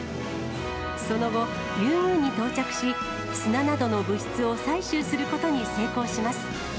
その後、リュウグウに到着し、砂などの物質を採取することに成功します。